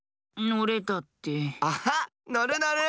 のるのる！